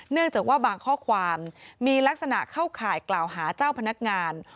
เนื่องจากว่าบางข้อความมีลักษณะเข้าข่ายกล่าวหาเจ้าพนักงาน